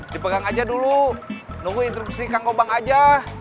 dipegang aja dulu nunggu instruksi kang kobang aja